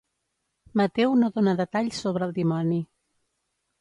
Mateu no dona detalls sobre el dimoni.